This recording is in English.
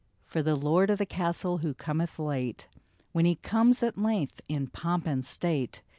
For the Lord of the Castle, who cometh late, When he comes, at length, in pomp and state.